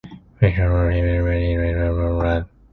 Fisher loaned him the money in trade for of land.